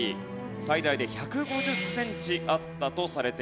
最大で１５０センチあったとされているんですね。